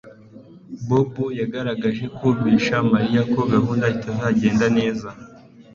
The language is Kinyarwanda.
Bobo yagerageje kumvisha Mariya ko gahunda itazagenda neza